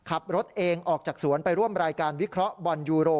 ขับรถเองออกจากสวนไปร่วมรายการวิเคราะห์บอลยูโร